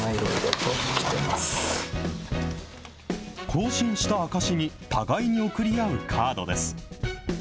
交信した証しに、互いに送り合うカードです。